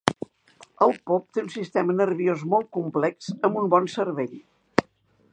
El pop té un sistema nerviós molt complex, amb un bon cervell.